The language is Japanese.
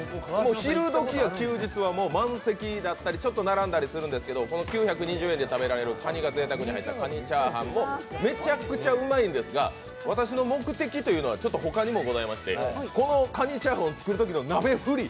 昼どきや休日は満席だったりちょっと並んだりするんですけどこの９２０円で食べられる、かにがぜいたくに入ったかにチャーハンもめちゃくちゃうまいんですが私の目的というのはちょっとほかにもございまして、このかにチャーハンを作るときの鍋振り